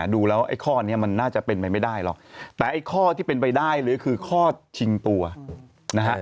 ดูแล้วไอ้ข้อนี้มันน่าจะเป็นไปไม่ได้หรอกแต่ไอ้ข้อที่เป็นไปได้หรือคือข้อชิงตัวนะฮะ